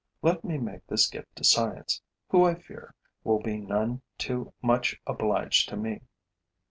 Let me make this gift to science, who, I fear, will be none too much obliged to me.